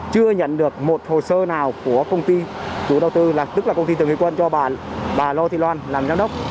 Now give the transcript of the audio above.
chưa nhận được một hồ sơ nào của công ty chủ đầu tư là tức là công ty tường huy quân cho bà bà lô thị loan làm giám đốc